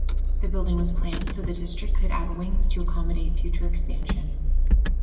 The building was planned so the district could add wings to accommodate future expansion.